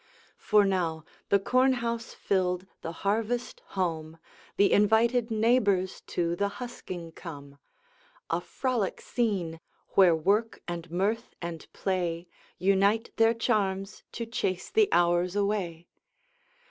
For now, the corn house filled, the harvest home, The invited neighbors to the husking come; A frolic scene, where work and mirth and play Unite their charms to chase the hours away.